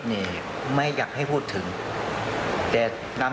มันมีโอกาสเกิดอุบัติเหตุได้นะครับ